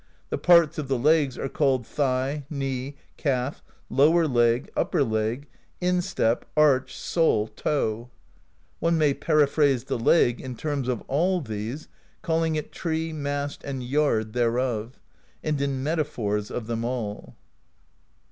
] The parts of the legs are called thigh, knee, calf, lower leg, upper leg, instep, arch, sole, toe; [one may periphrase the leg in terms of all these, call ing it Tree, Mast, and Yard thereof; and in metaphors of them all].